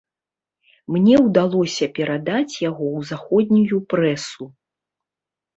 Мне ўдалося перадаць яго ў заходнюю прэсу.